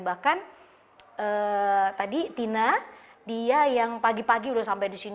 bahkan tadi tina dia yang pagi pagi udah sampai di sini